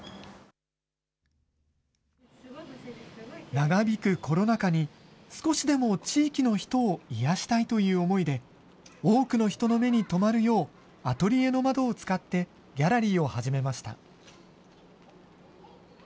長引くコロナ禍に、少しでも地域の人を癒やしたいという思いで、多くの人の目に留まるよう、アトリエの窓を使ってギャラリーを始めました。